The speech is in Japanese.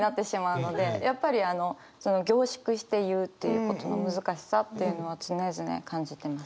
やっぱり凝縮して言うということの難しさっていうのは常々感じてます。